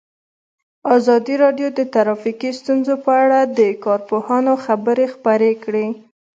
ازادي راډیو د ټرافیکي ستونزې په اړه د کارپوهانو خبرې خپرې کړي.